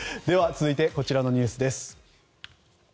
続いてこちらのニュースです。